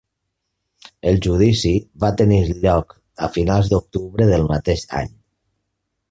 El judici va tenir lloc a finals d'octubre del mateix any.